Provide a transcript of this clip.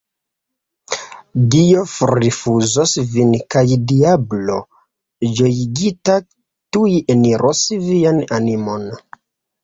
Dio forrifuzos vin, kaj diablo ĝojigita tuj eniros vian animon!